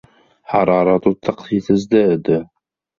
حرارة الطقس تتزايد.